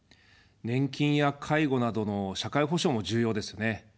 年金や介護などの社会保障も重要ですね。